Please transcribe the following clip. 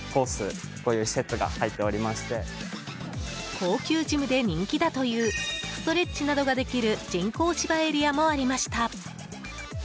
高級ジムで人気だというストレッチなどができる人工芝エリアもありました。